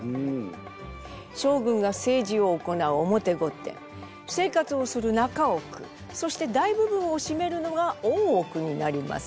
将軍が政治を行う表御殿生活をする中奥そして大部分をしめるのが大奥になります。